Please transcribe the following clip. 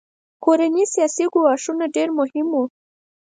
کورني سیاسي ګواښونه ډېر مهم وو.